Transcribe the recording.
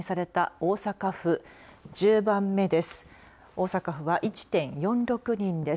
大阪府は１．４６人です。